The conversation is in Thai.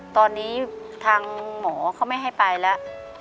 ตอนนี้ทางหมอเขาไม่ให้ไปแล้ว